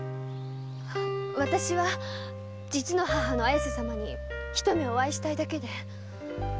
私は実の母の綾瀬様に一目お会いしたいだけで。